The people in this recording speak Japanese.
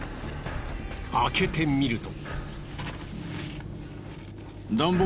開けてみると。